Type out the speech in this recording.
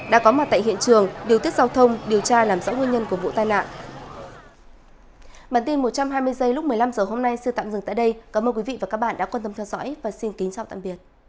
đã có mặt tại hiện trường điều tiết giao thông điều tra làm rõ nguyên nhân của vụ tai nạn